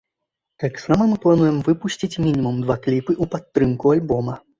Таксама мы плануем выпусціць мінімум два кліпы ў падтрымку альбома.